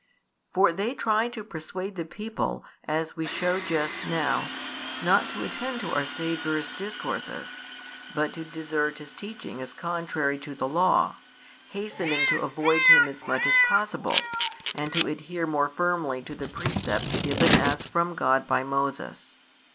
For they tried to persuade the people, as we showed just now, not to attend to our Saviour's discourses, but to desert His teaching as contrary to the law; hastening to avoid Him as much as possible, and to adhere more firmly to the precepts given as from God by Moses.